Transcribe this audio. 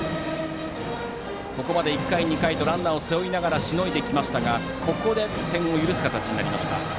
ここまで１回、２回とランナーを背負いながらしのいできましたがここで点を許す形になりました。